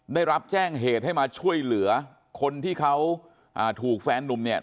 ได้รับแจ้งเหตุให้มาช่วยเหลือคนที่เขาอ่าถูกแฟนนุ่มเนี่ย